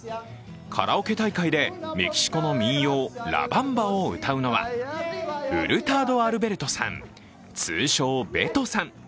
カラオケ大会でメキシコの民謡・ラバンバを歌うのは、ウルタード・アルベルトさん、通称・ベトさん。